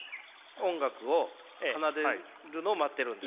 音楽を奏でるのを待ってるんです。